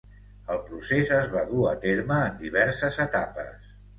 El procés es va dur a terme en diverses etapes.